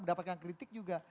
mendapatkan kritik juga